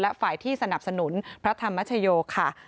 และฝ่ายที่สนับสนุนพระธรรมชโยค่ะ